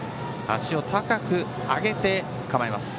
足を高く上げて構えます。